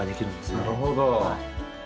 なるほど。